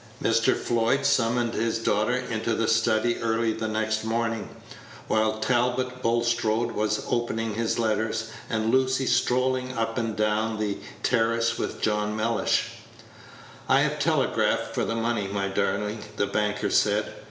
Mr. Floyd summoned his daughter into the study early the next morning, while Talbot Bulstrode was opening his letters, and Lucy strolling up and down the terrace with John Mellish. "I have telegraphed for the money, my darling," the banker said.